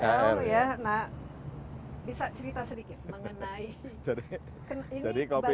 nah bisa cerita sedikit mengenai ini dibanding dari penting dari kehidupan